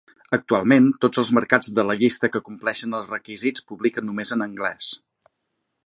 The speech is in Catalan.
Actualment, tots els mercats de la llista que compleixen els requisits publiquen només en anglès.